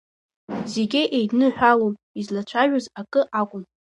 Зегьы еидныҳәалон, излацәажәоз акы акәын…